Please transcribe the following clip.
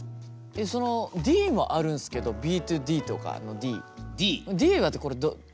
そのＤもあるんすけどＢ２ＤとかのＤ。